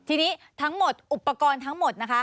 ทีนี้ทั้งหมดอุปกรณ์ทั้งหมดนะคะ